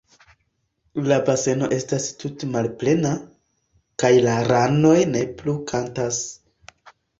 La baseno estas tute malplena, kaj la ranoj ne plu kantas.